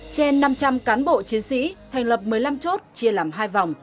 trên năm trăm linh cán bộ chiến sĩ thành lập một mươi năm chốt chia làm hai vòng